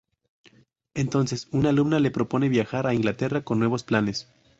Entonces una alumna le propone viajar a Inglaterra con nuevos planes.